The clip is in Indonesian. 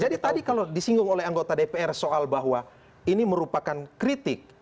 jadi tadi kalau disinggung oleh anggota dpr soal bahwa ini merupakan kritik